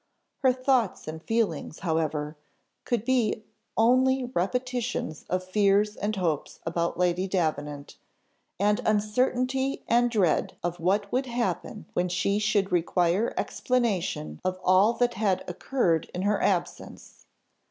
Her thoughts and feelings, however, could be only repetitions of fears and hopes about Lady Davenant, and uncertainty and dread of what would happen when she should require explanation of all that had occurred in her absence.